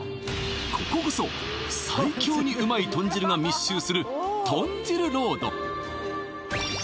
こここそ最強にうまい豚汁が密集する